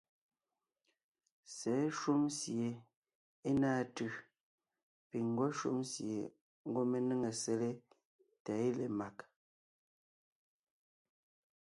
Sɛ̌ shúm sie é náa tʉ̀ piŋ ńgwɔ́ shúm sie ńgwɔ́ mé néŋe sele tà é le mag.